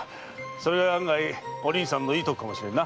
それが案外お凛さんのいいとこかもしれんな。